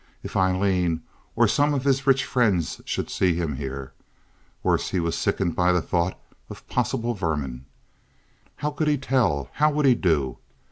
If Aileen or some of his rich friends should see him here. Worse, he was sickened by the thought of possible vermin. How could he tell? How would he do?